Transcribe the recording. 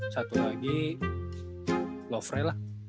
satu lagi lufre lah